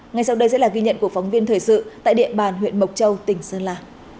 ngay sau đây sẽ là ghi nhận của phóng viên thời sự tại địa bàn huyện mộc châu tỉnh sơn la